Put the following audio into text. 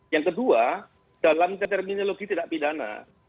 yang kedua dalam terterminologi tidak pidana